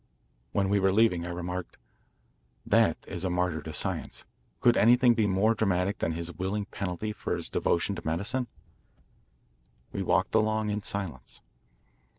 When we were leaving, I remarked: "That is a martyr to science. Could anything be more dramatic than his willing penalty for his devotion to medicine?" We walked along in silence.